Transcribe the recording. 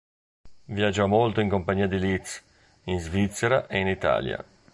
Viaggiò molto in compagnia di Liszt, in Svizzera e in Italia.